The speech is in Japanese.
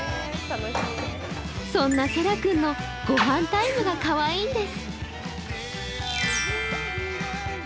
そんなせら君の御飯タイムがかわいいんです。